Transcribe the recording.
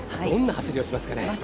どんな走りをしますかね。